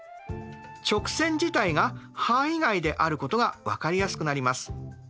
直線自体が範囲外であることが分かりやすくなります。